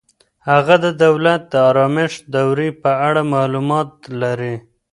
هغه د دولت د آرامښت دورې په اړه معلومات لري.